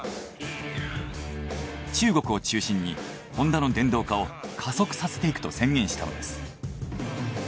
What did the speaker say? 中国を中心にホンダの電動化を加速させていくと宣言したのです。